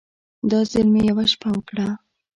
دا ځل مې يوه شپه وکړه.